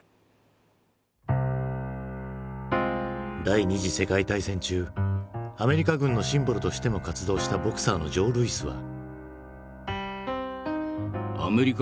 第二次世界大戦中アメリカ軍のシンボルとしても活動したボクサーのジョー・ルイスは。